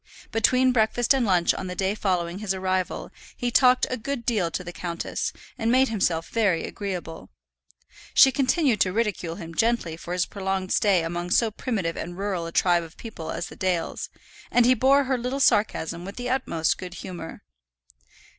Between breakfast and lunch on the day following his arrival he talked a good deal to the countess, and made himself very agreeable. She continued to ridicule him gently for his prolonged stay among so primitive and rural a tribe of people as the Dales, and he bore her little sarcasm with the utmost good humour.